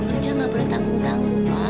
kan kalau kerja nggak boleh tanggung tanggung ma